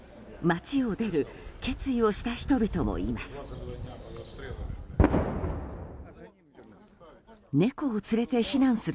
街を出る決意をした人々もいます。